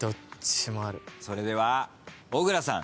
それでは小倉さん